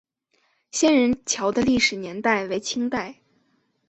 仙人桥的历史年代为清代。